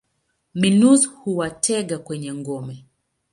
Minus huwatega kwenye ngome.